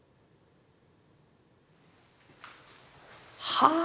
はあ！